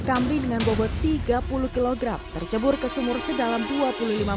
kambing dengan bobot tiga puluh kg tercebur ke sumur sedalam dua puluh lima m hal ini pun mengundang keramaian